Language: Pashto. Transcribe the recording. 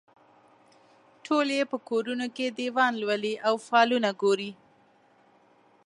ټول یې په کورونو کې دیوان لولي او فالونه ګوري.